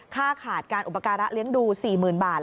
ค่าขาดการอุปการะเลี้ยงดู๔๐๐๐บาท